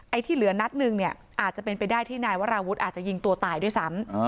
ที่เหลือนัดหนึ่งเนี่ยอาจจะเป็นไปได้ที่นายวราวุฒิอาจจะยิงตัวตายด้วยซ้ำ